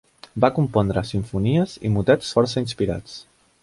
Va compondre simfonies i motets força inspirats.